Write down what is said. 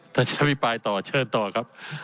ท่านเจ้าพี่ปลายต่อเชิญต่อครับ